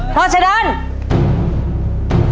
พอเชิญเริ่มครับ